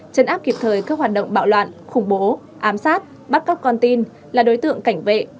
chấn áp kịp thời các hoạt động bạo loạn khủng bố ám sát bắt cóc con tin là đối tượng cảnh vệ